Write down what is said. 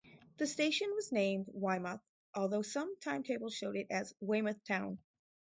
The station was named "Weymouth", although some timetables showed it as "Weymouth Town".